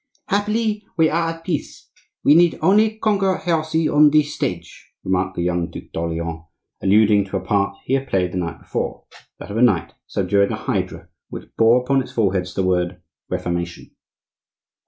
"Happily we are at peace; we need only conquer heresy on the stage," remarked the young Duc d'Orleans, alluding to a part he had played the night before,—that of a knight subduing a hydra which bore upon its foreheads the word "Reformation."